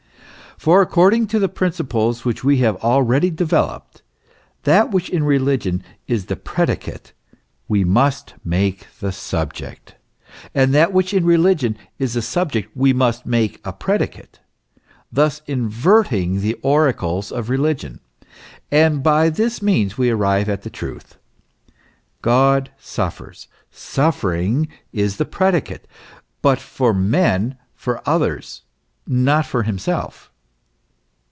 For, according to the principles which we have already developed, that which in religion is the predicate, we must make the subject, and that which in religion is a subject we must make a predicate, thus inverting the oracles of religion ; and by this means we arrive at the truth. God suffers suffering is the predicate but for men, for others, not for himself.